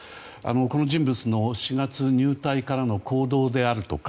この人物の４月入隊からの行動だとか